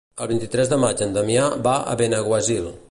El vint-i-tres de maig en Damià va a Benaguasil.